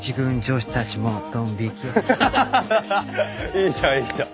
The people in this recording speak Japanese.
ハハハいいじゃんいいじゃん。